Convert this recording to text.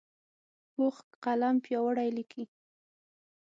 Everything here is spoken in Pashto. پوخ قلم پیاوړی لیکي